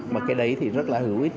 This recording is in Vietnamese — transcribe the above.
mà cái đấy thì rất là hữu ích